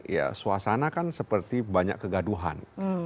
ya suasana kan seperti banyak kegaduhan